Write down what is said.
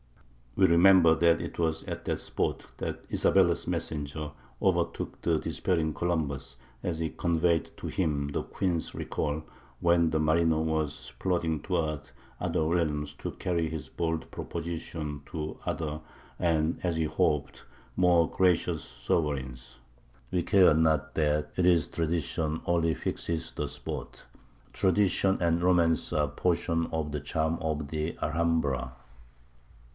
We remember that it was at that spot that Isabella's messenger overtook the despairing Columbus, as he conveyed to him the queen's recall, when the mariner was plodding towards other realms to carry his bold proposition to other and, as he hoped, more gracious sovereigns. We care not that it is tradition only which fixes the spot; tradition and romance are a portion of the charm of the Alhambra.